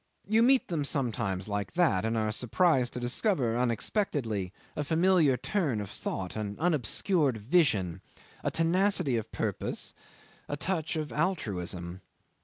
You meet them sometimes like that, and are surprised to discover unexpectedly a familiar turn of thought, an unobscured vision, a tenacity of purpose, a touch of altruism.